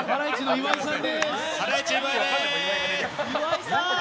岩井さん！